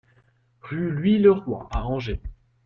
RUE LOUIS LEROY à Angers